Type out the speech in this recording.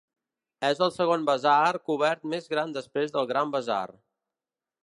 És el segon basar cobert més gran després del Gran Basar.